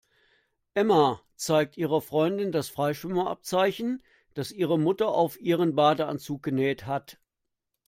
Emma zeigt ihrer Freundin das Freischwimmer-Abzeichen, das ihre Mutter auf ihren Badeanzug genäht hat.